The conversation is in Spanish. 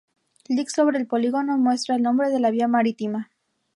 Click sobre el polígono muestra el nombre de la vía marítima.